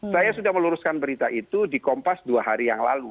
saya sudah meluruskan berita itu di kompas dua hari yang lalu